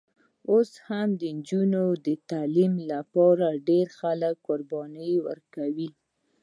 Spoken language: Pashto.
اوس هم د نجونو د تعلیم لپاره ډېر خلک قربانۍ ورکړي.